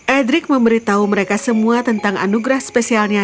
edric memberitahu mereka semua tentang anugerah spesialnya